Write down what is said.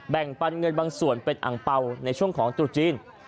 ปันเงินบางส่วนเป็นอังเปล่าในช่วงของตรุษจีน